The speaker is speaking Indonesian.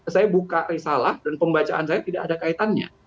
saya buka risalah dan pembacaan saya tidak ada kaitannya